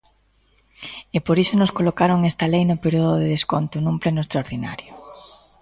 E por iso nos colocaron esta lei no período de desconto nun pleno extraordinario.